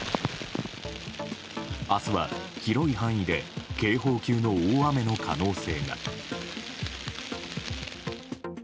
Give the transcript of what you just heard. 明日は広い範囲で警報級の大雨の可能性が。